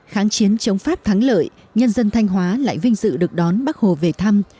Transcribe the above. kháng chiến chống pháp thắng lợi nhân dân thanh hóa lại vinh dự được đón bác hồ về thăm